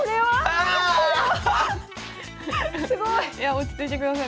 落ち着いてください